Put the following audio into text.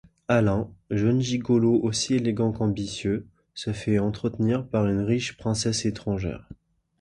Alain, jeune gigolo aussi élégant qu'ambitieux, se fait entretenir par une riche princesse étrangère.